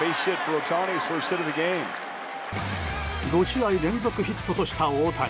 ５試合連続ヒットとした大谷。